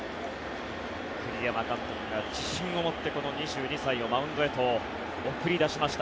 栗山監督が自信を持ってこの２２歳をマウンドへと送り出しました。